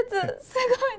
すごい。